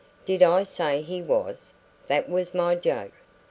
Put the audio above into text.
Did I say he was? That was my joke.